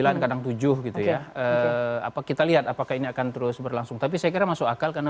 sembilan kadang tujuh gitu ya apa kita lihat apakah ini akan terus berlangsung tapi saya kira masuk akal karena